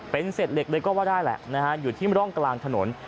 เป็นเศษเหล็กเลยก็ว่าได้แหละนะฮะอยู่ที่ร่องกลางถนน